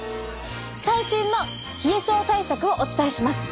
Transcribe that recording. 最新の冷え症対策をお伝えします。